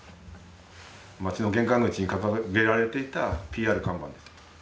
町の玄関口に掲げられていたＰＲ看板です。